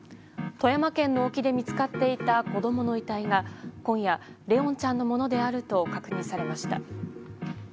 富山県の沖で見つかっていた子供の遺体が今夜、怜音ちゃんのものであると確認されました。